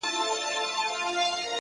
علم د پوهې دروازې پرانیزي.!